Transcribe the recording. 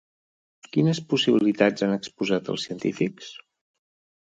Quines possibilitats han exposat els científics?